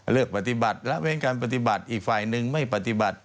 เลือกปฏิบัติละเว้นการปฏิบัติอีกฝ่ายหนึ่งไม่ปฏิบัติ